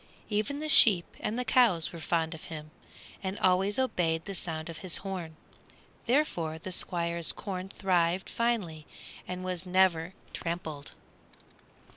Even the sheep and the cows were fond of him, and always obeyed the sound of his horn; therefore the Squire's corn thrived finely, and was never trampled.